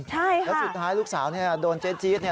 ใช่ค่ะแล้วสุดท้ายลูกสาวโดนเจ๊จี๊ด